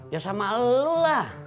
ya sama elu lah